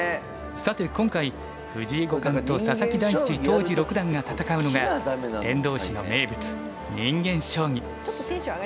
さて今回藤井五冠と佐々木大地当時六段が戦うのが天童市の名物人間将棋。